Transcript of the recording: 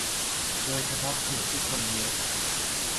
โดยเฉพาะเขตที่คนเยอะ